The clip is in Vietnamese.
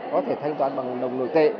có thể thanh toán bằng đồng nội tệ